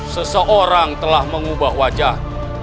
seseorang telah mengubah wajah